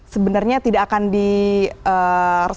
sebenarnya tidak akan diresolusi